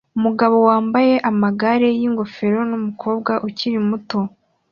Umugabo wambaye amagare yingofero numukobwa ukiri muto